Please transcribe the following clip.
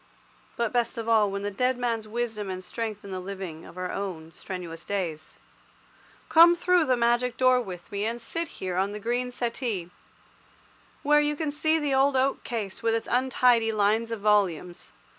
But best of all when the dead man's wisdom and the dead man's example give us guidance and strength and in the living of our own strenuous days. Come through the magic door with me, and sit here on the green settee, where you can see the old oak case with its untidy lines of volumes.